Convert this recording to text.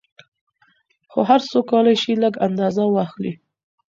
خو هر څوک کولای شي لږ اندازه واخلي.